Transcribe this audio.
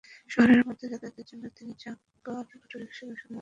শহরের মধ্যে যাতায়াতের জন্য তিন চাকার অটোরিক্সা ও সাধারণ রিক্সা বহুল প্রচলিত।